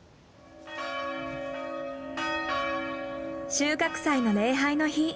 収穫祭の礼拝の日。